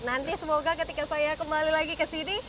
nanti semoga ketika saya kembali lagi ke sini